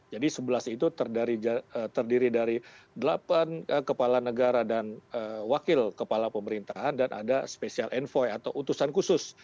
jadi sebelas itu terdiri dari delapan kepala negara dan wakil kepala pemerintahan dan ada spesial envoy atau utusan khusus